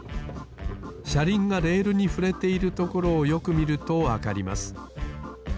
しゃりんがレールにふれているところをよくみるとわかります。